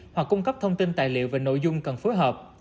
hoặc cung cấp thông tin tài liệu về nội dung cần phối hợp